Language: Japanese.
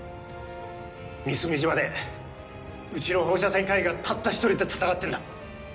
美澄島でうちの放射線科医がたった一人で闘ってんだ